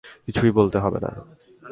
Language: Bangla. কিছুই বলতে হবে না।